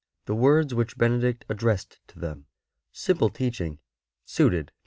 The words which Benedict addressed to them, simple teaching suited to ST.